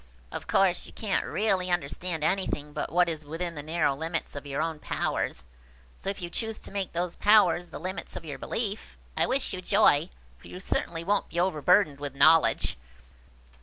Of course, you can't really understand anything but what is within the narrow limits of your own powers; so, if you choose to make those powers the limits of your belief, I wish you joy, for you certainly won't be overburdened with knowledge."